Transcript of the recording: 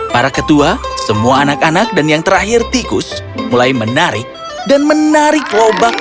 para ketua semua anak anak dan yang terakhir tikus mulai menarik dan menarik lobak